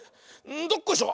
どっこいしょ。